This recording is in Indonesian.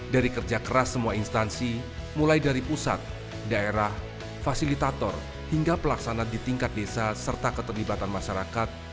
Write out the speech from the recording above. dari kerja keras semua instansi mulai dari pusat daerah fasilitator hingga pelaksana di tingkat desa serta keterlibatan masyarakat